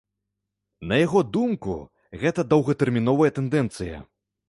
На яго думку, гэта доўгатэрміновая тэндэнцыя.